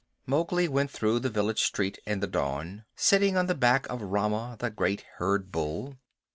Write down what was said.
Mowgli went through the village street in the dawn, sitting on the back of Rama, the great herd bull.